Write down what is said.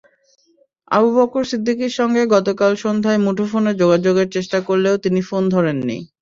আবু বকর সিদ্দিকের সঙ্গে গতকাল সন্ধ্যায় মুঠোফোনে যোগাযোগের চেষ্টা করলেও তিনি ফোন ধরেননি।